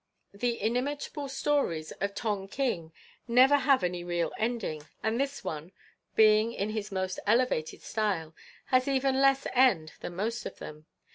"The inimitable stories of Tong king never have any real ending, and this one, being in his most elevated style, has even less end than most of them.